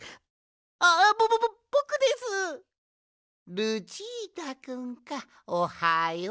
ルチータくんかおはよう。